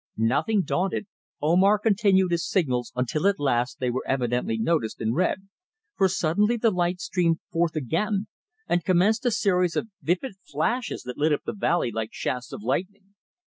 Nothing daunted, Omar continued his signals until at last they were evidently noticed and read, for suddenly the light streamed forth again and commenced a series of vivid flashes that lit up the valley like shafts of lightning.